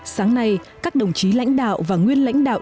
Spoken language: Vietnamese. sáng nay các đồng chí lãnh đạo và nguyên lãnh đạo